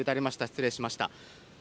失礼しました。